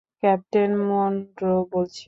Captain Monroe বলছি।